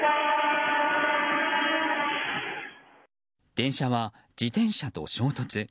電車は自転車と衝突。